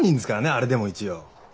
あれでも一応。